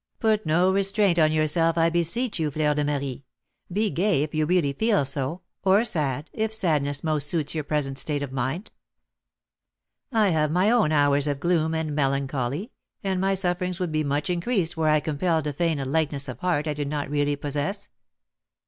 "Put no restraint on yourself, I beseech you, Fleur de Marie: be gay, if you really feel so; or sad, if sadness most suits your present state of mind. I have my own hours of gloom and melancholy, and my sufferings would be much increased were I compelled to feign a lightness of heart I did not really possess."